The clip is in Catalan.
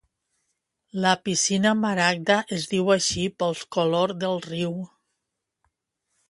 La piscina maragda es diu així pel color del riu.